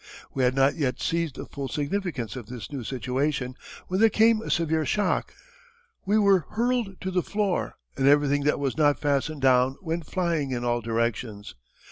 We had not yet seized the full significance of this new situation when there came a severe shock. We were hurled to the floor and everything that was not fastened down went flying in all directions.